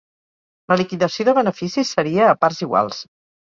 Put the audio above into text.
La liquidació de beneficis seria a parts iguals.